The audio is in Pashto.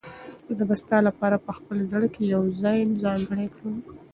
زه به ستا لپاره په خپل زړه کې یو ځای ځانګړی کړم.